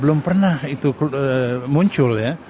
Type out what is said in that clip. belum pernah itu muncul ya